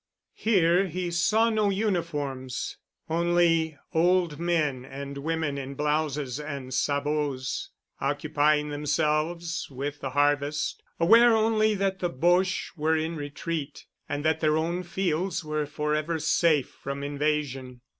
Here he saw no uniforms—only old men and women in blouses and sabots, occupying themselves with the harvest, aware only that the Boches were in retreat and that their own fields were forever safe from invasion.